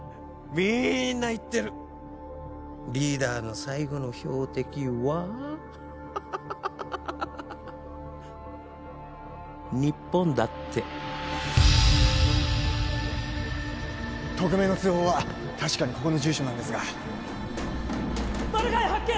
みんな言ってるリーダーの最後の標的はハハハハ日本だって匿名の通報は確かにここの住所なんですがマルガイ発見！